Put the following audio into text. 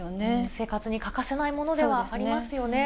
生活に欠かせないものではありますよね。